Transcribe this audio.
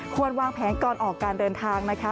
ควรวางแผนก่อนออกการเดินทางนะคะ